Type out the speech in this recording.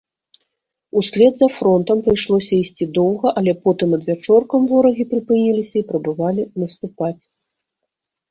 Услед за фронтам прыйшлося ісці доўга, але потым адвячоркам ворагі прыпыніліся і прабавалі наступаць.